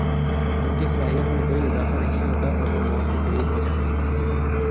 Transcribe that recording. ان کی صلاحیت میں کوئی اضافہ نہیں ہوتا اور وہ موت کےقریب ہوجاتے ہیں